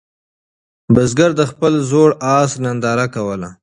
بزګر د خپل زوړ آس ننداره کوله.